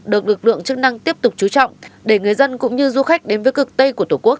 được lực lượng chức năng tiếp tục chú trọng để người dân cũng như du khách đến với cực tây của tổ quốc